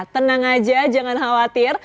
tenang aja jangan khawatir